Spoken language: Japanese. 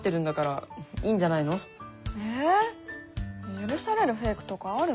許されるフェイクとかあるの？